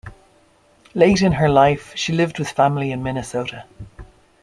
Late in her life, she lived with family in Minnesota.